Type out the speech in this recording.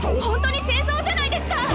本当に戦争じゃないですか！